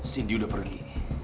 cindy udah pergi